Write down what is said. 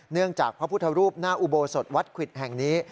เนื่องจากพระพุทธรูปณอุโบสถวัดขวิตแห่งนี้